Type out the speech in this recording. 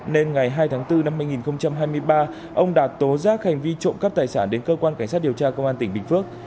nên ngày hai tháng bốn năm hai nghìn hai mươi ba ông đạt tố giác hành vi trộm cắp tài sản đến cơ quan cảnh sát điều tra công an tỉnh bình phước